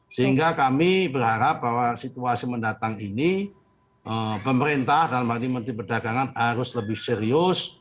sehingga kami berharap bahwa situasi mendatang ini pemerintah dan menteri perdagangan harus lebih serius